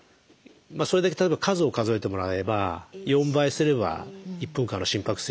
それだけ例えば数を数えてもらえば４倍すれば１分間の心拍数にもなりますので。